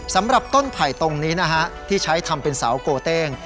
สำหรับต้นไผ่ตรงนี้นะฮะที่ใช้ทำเป็นเสาโกเต้ง